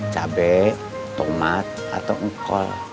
cabai tomat atau engkol